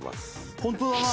「本当だな！」